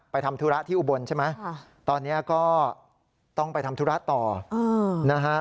ทำธุระที่อุบลใช่ไหมตอนนี้ก็ต้องไปทำธุระต่อนะฮะ